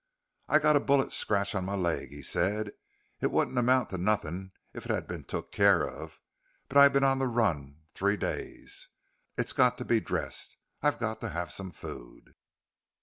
"I got a bullet scratch on my leg," he said. "It wouldn't amount to nothing if it had been took care of, but I been on the run three days. It's got to be dressed. I got to have some food."